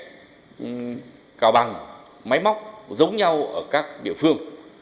tỷ lệ cao bằng máy móc giống nhau ở các địa phương